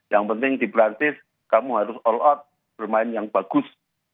yang penting di perancis kamu harus all out bermain yang bagus